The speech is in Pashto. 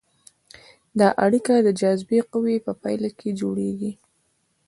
دا اړیکه د جاذبې قوې په پایله کې جوړیږي.